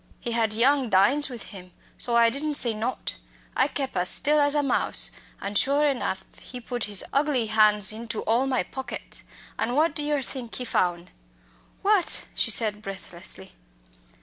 He had young Dynes with him so I didn't say nought I kep' as still as a mouse, an' sure enough he put his ugly han's into all my pockets. An' what do yer think he foun'?" "What?" she said breathlessly.